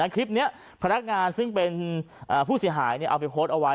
คลิปนี้พนักงานซึ่งเป็นผู้เสียหายเอาไปโพสต์เอาไว้